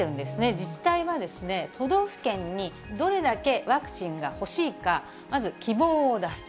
自治体は都道府県に、どれだけワクチンが欲しいか、まず希望を出すと。